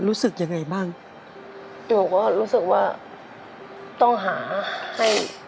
รู้สึกยังไงบ้างตัวก็รู้สึกว่าต้องหาให้